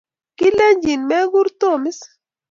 Kalechin mekur Tom is?